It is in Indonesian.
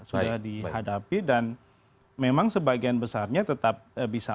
sudah dihadapi dan memang sebagian besarnya tetap bisa